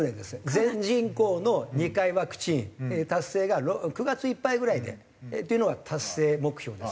全人口の２回ワクチン達成が９月いっぱいぐらいでっていうのが達成目標です。